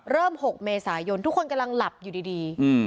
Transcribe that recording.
๖เมษายนทุกคนกำลังหลับอยู่ดี